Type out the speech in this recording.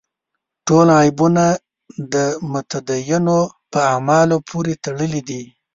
ټول عیبونه د متدینو په اعمالو پورې تړلي دي.